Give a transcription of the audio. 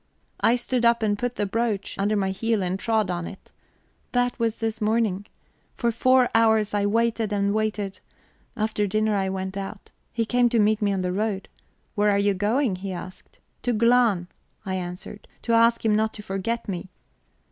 I stood up and put the brooch under my heel and trod on it. That was this morning... For four hours I waited and waited; after dinner I went out. He came to meet me on the road. 'Where are you going?' he asked. 'To Glahn,' I answered, 'to ask him not to forget me...'